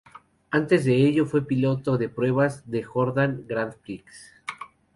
Antes de ello fue piloto de pruebas de Jordan Grand Prix.